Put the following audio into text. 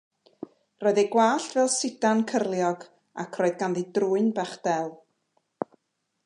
Roedd ei gwallt fel sidan cyrliog ac roedd ganddi drwyn bach del.